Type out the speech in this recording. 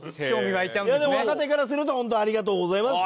いやでも若手からすると本当ありがとうございますって。